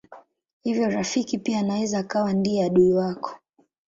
Hivyo rafiki pia anaweza akawa ndiye adui wako.